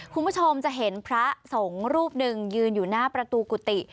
คุณผู้ชมจะเห็นพระสงฆ์รูปหนึ่งยืนอยู่หน้าประตูกุฏิ